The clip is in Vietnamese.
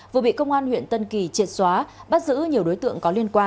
vừa bị công an huyện tân kỳ triệt xóa bắt giữ nhiều đối tượng